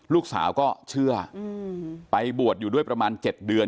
ลูกสาวก็เชื่อไปบวชอยู่ด้วยประมาณ๗เดือน